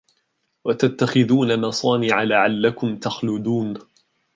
وَتَتَّخِذُونَ مَصَانِعَ لَعَلَّكُمْ تَخْلُدُونَ